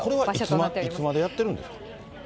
これはいつまでやっているんですか？